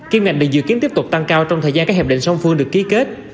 kim ngạch được dự kiến tiếp tục tăng cao trong thời gian các hiệp định song phương được ký kết